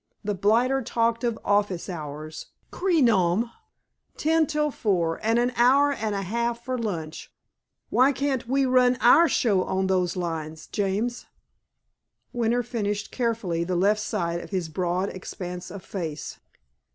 The blighter talked of office hours. Cré nom! Ten till four, and an hour and a half for lunch! Why can't we run our show on those lines, James!" Winter finished carefully the left side of his broad expanse of face.